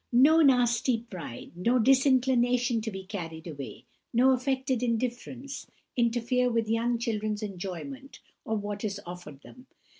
No nasty pride, no disinclination to be carried away, no affected indifference, interfere with young children's enjoyment of what is offered them.